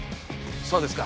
そうですか。